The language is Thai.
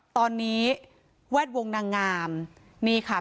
ตอนนี้แวดวงในเพศนางงามนี้ค่ะ